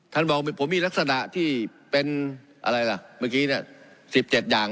ท่านบอกผมมีลักษณะที่เป็นอะไรล่ะเมื่อกี้เนี่ย๑๗อย่าง